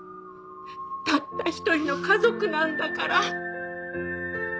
たった一人の家族なんだから。